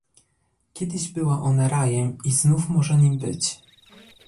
Kiedyś była ona rajem i znów może nim być